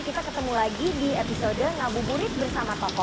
kita ketemu lagi di episode ngabuburit bersama tokoh